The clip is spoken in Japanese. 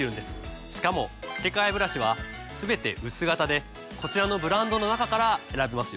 しかも付け替えブラシはすべて薄型でこちらのブランドの中から選べますよ。